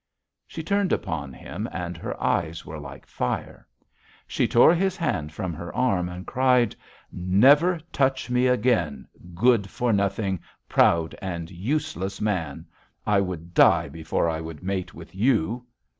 "She turned upon him, and her eyes were like fire. She tore his hand from her arm, and cried: 'Never touch me again, good for nothing, proud and useless man. I would die before I would mate with you.'